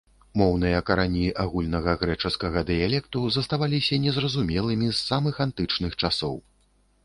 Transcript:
Моўныя карані агульнага грэчаскага дыялекту заставаліся незразумелымі з самых антычных часоў.